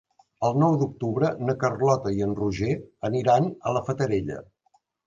El nou d'octubre na Carlota i en Roger iran a la Fatarella.